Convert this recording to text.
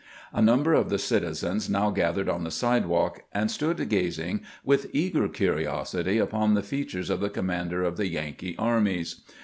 A number of the citizens now gathered on the sidewalk, and stood gazing with eager curiosity upon the features of the commander of the Yankee armies.